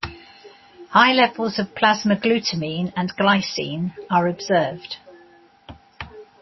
High levels of plasma glutamine and glycine are observed.